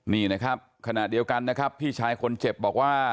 นี่นะครับขณะเดียวกันนะครับพี่ชายคนเจ็บบอกว่า